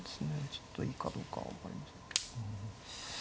ちょっといいかどうかは分かりませんけど。